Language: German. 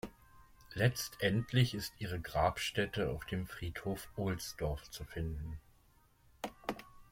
Letztendlich ist ihre Grabstätte auf dem Friedhof Ohlsdorf zu finden.